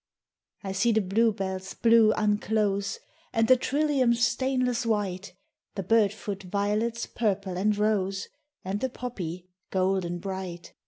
III I see the bluebell's blue unclose, And the trillium's stainless white; The bird foot violet's purple and rose, And the poppy, golden bright!